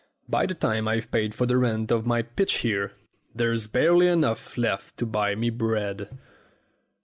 By the time I've paid for the rent of my pitch here, there's barely enough left to buy me bread."